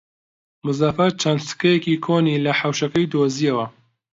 مزەفەر چەند سکەیەکی کۆنی لە حەوشەکەی دۆزییەوە.